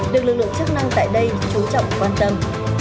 được lực lượng chức năng tại đây chú trọng quan tâm